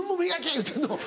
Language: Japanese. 言うてんの？